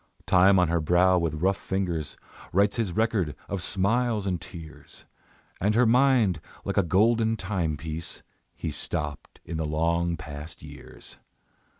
Time on her brow with rough fingers Writes his record of smiles and tears; And her mind, like a golden timepiece, He stopped in the long past years.